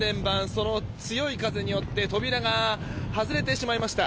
その強い風によって扉が外れてしまいました。